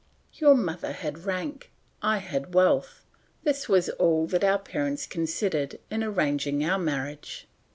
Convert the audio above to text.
"Your mother had rank, I had wealth; this was all that our parents considered in arranging our marriage.